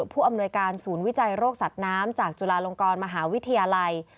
ผู้อำนวยการศูนย์วิจัยโรคสัตว์น้ำจากจุฬาลงกรมหาวิทยาลัย